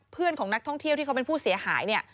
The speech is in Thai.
ของนักท่องเที่ยวที่เขาเป็นผู้เสียหายเนี่ย